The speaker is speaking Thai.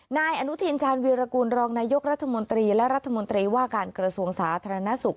นายอนุทินชาญวีรกูลรองนายกรัฐมนตรีและรัฐมนตรีว่าการกระทรวงสาธารณสุข